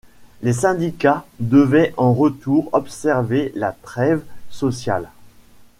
Les syndicats devaient en retour observer la trêve sociale.